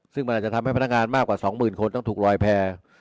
ซึ่งมันอาจจะทำให้พนักงานมากกว่า๒๐๐๐คนต้องถูกลอยแพร่